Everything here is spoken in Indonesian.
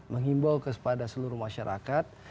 mengimbau kepada seluruh masyarakat